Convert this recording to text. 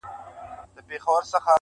خو لا نن هم دی رواج د اوسنیو!.